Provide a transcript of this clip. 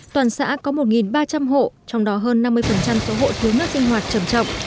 toàn xã có một ba trăm linh hộ trong đó hơn năm mươi số hộ thiếu nước sinh hoạt trầm trọng